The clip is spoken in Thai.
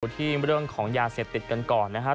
ที่เรื่องของยาเสพติดกันก่อนนะครับ